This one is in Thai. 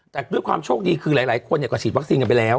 แต่ด้วยความโชคดีคือหลายคนก็ฉีดวัคซีนกันไปแล้ว